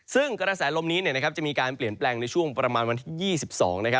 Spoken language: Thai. ซึ่งกระแสลมนี้จะมีการเปลี่ยนแปลงในช่วงประมาณวันที่๒๒